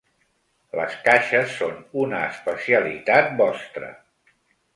Les caixes són una especialitat vostra.